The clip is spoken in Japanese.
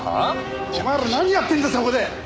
お前ら何やってんだそこで！